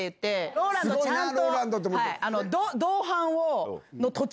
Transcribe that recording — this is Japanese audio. ＲＯＬＡＮＤ、ちゃんと、すごい。